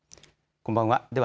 こんばんは。